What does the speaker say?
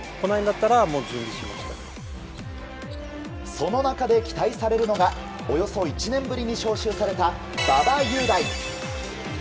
その中で期待されるのがおよそ１年ぶりに招集された馬場雄大。